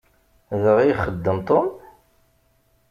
Da ay ixeddem Tom?